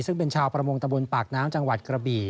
ซึ่งเป็นชาวประมงตะบนปากน้ำจังหวัดกระบี่